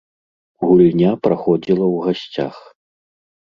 Гульня праходзіла ў гасцях.